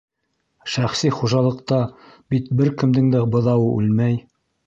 Шәхси хужалыҡта бит бер кемдең дә быҙауы үлмәй.